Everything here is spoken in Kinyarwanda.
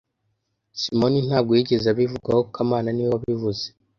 Simoni ntabwo yigeze abivugaho kamana niwe wabivuze